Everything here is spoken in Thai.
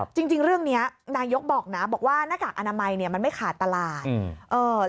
จริงเรื่องนี้นายกบอกนะบอกว่าหน้ากากอนามัยมันไม่ขาดตลาด